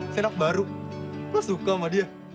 senak baru lo suka sama dia